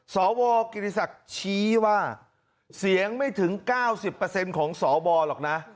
สวกิติศักดิ์ชี้ว่าเสียงไม่ถึง๙๐ของสวหรอกนะ